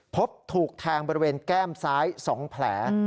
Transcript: พบถูกแทงบริเวณแก้มซ้าย๒แผล